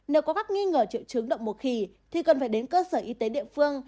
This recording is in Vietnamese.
nếu có các nghi ngờ triệu chứng động mùa khỉ thì cần phải đến cơ sở y tế địa phương